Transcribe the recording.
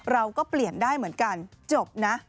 เราก็เปลี่ยนได้เหมือนกันจบนะ